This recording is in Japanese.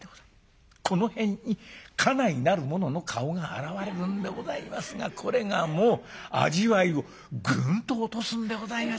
この辺に家内なる者の顔が現れるんでございますがこれがもう味わいをぐんと落とすんでございます。